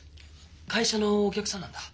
会社のお客さんなんだ。